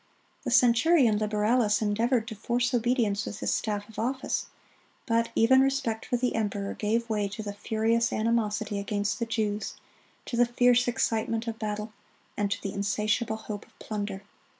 The centurion Liberalis endeavored to force obedience with his staff of office; but even respect for the emperor gave way to the furious animosity against the Jews, to the fierce excitement of battle, and to the insatiable hope of plunder.